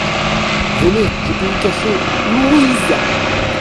Venez ! je peux vous cacher ! LOUISE.